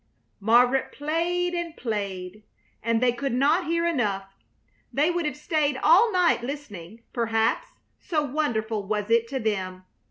Margaret played and played, and they could not hear enough. They would have stayed all night listening, perhaps, so wonderful was it to them.